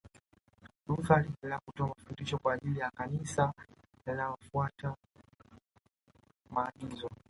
Luther aliendelea kutoa mafundisho kwa ajili ya Kanisa linalofuata maagizo